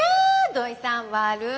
土井さん悪い怖い！